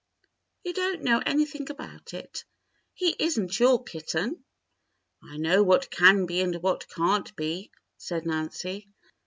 "You don't know anything about it. He is n't your kitten." "I know what can be and what can't be," said Nancy.